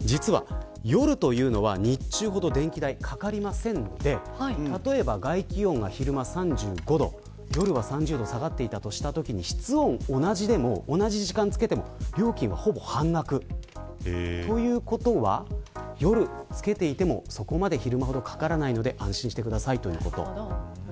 実は夜というのは日中ほど電気代がかからないので例えば外気温が、昼間３５度で夜は３０度に下がっていたときに室温は同じでも同じ時間つけていても料金はほぼ半額です。ということは夜、つけていてもそこまで昼間ほどかからないので安心してくださいということです。